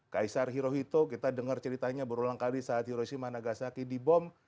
kaisar hirohito kita dengar ceritanya berulang kali saat hiroshima nagasaki dibom